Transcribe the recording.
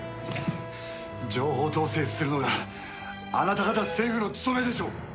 情報統制するのがあなた方政府の務めでしょう！